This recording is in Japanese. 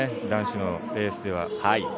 男子のレースでは。